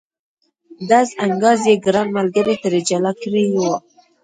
ډز انګاز یې ګران ملګري ترې جلا کړی و.